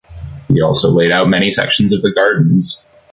He also laid out many sections of the gardens.